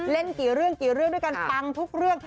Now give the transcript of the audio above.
กี่เรื่องกี่เรื่องด้วยกันปังทุกเรื่อง